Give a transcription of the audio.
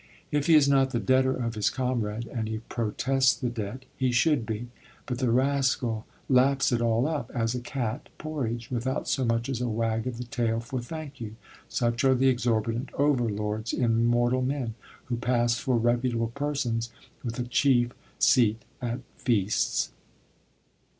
If he is not the debtor of his comrade and he protests the debt he should be. But the rascal laps it all up, as a cat porridge, without so much as a wag of the tail for Thank you. Such are the exorbitant overlords in mortal men, who pass for reputable persons, with a chief seat at feasts.